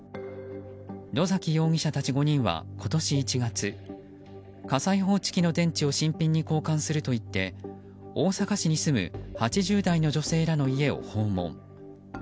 野崎容疑者たち５人は今年１月火災報知機の電池を新品に交換するといって大阪市に住む８０代の女性らの家を訪問。